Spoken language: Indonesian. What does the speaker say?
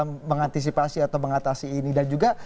mengantisipasi atau mengatasi ini dan juga